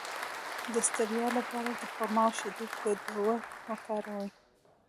د ستړیا لپاره د خرما او شیدو ګډول وکاروئ